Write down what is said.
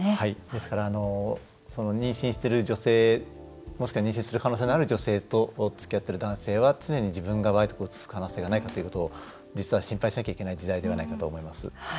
ですから妊娠してる女性もしくは妊娠する可能性のある女性とつきあってる男性は常に自分が梅毒をうつす可能性がないかということを実は心配しなきゃいけない時代ではないかと思います。